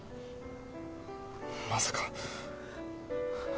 まさか。